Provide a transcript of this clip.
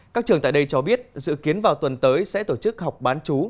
các trường tại đây cho biết dự kiến vào tuần tới sẽ tổ chức học bán chú